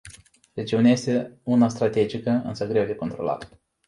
Regiunea este una strategică, însă greu de controlat.